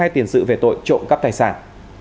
hai tiền sự về tội trộm cắp tài sản